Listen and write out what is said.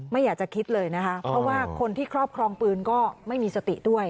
ไม่อยากจะคิดเลยนะคะเพราะว่าคนที่ครอบครองปืนก็ไม่มีสติด้วย